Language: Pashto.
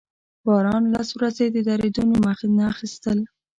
باران لس ورځې د درېدو نوم نه اخيستل.